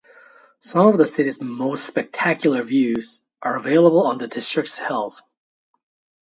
Some of the city's most spectacular views are available on the district's hills.